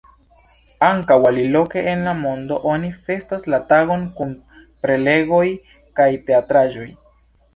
Ankaŭ aliloke en la mondo oni festas la tagon kun prelegoj kaj teatraĵoj.